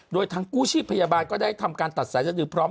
โดยทางกู้ชีพพยาบาลก็ได้ทำการตัดสายสดือพร้อม